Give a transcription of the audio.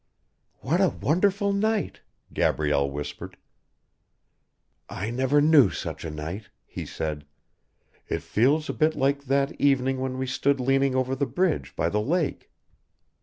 "What a wonderful night," Gabrielle whispered. "I never knew such a night," he said. "It feels a bit like that evening when we stood leaning over the bridge by the lake."